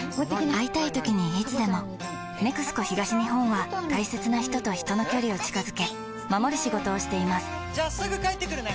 会いたいときにいつでも「ＮＥＸＣＯ東日本」は大切な人と人の距離を近づけ守る仕事をしていますじゃあすぐ帰ってくるね！